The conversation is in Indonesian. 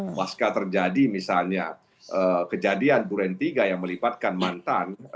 apabila terjadi misalnya kejadian buren tiga yang melibatkan mantan